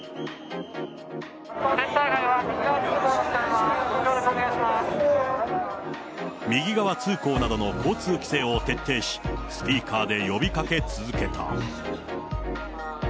センター街は一方通行となっております、ご協力お願いいたし右側通行などの交通規制を徹底し、スピーカーで呼びかけ続けた。